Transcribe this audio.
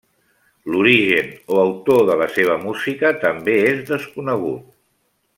L'origen o autor de la seva música també és desconegut.